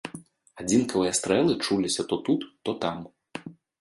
Адзінкавыя стрэлы чуліся то тут, то там.